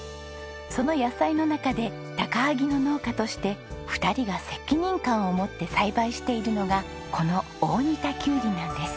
その野菜の中で高萩の農家として二人が責任感を持って栽培しているのがこの大荷田きゅうりなんです。